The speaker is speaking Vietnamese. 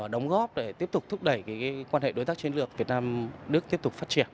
đóng góp để tiếp tục thúc đẩy quan hệ đối tác chiến lược việt nam đức tiếp tục phát triển